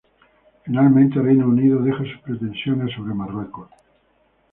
Finalmente Reino Unido deja sus pretensiones sobre Marruecos.